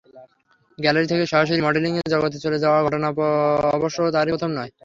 Gallery থেকে সরাসরি মডেলিংয়ের জগতে চলে যাওয়ার ঘটনা অবশ্য তাঁরই প্রথম নয়।